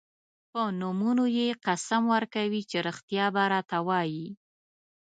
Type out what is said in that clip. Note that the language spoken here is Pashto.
په نومونو یې قسم ورکوي چې رښتیا به راته وايي.